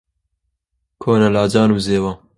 کۆنە لاجان و زێوە